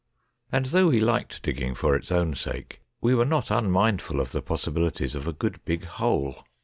And though we liked digging for its own sake, we were not unmindful of the possi bilities of a good big hole.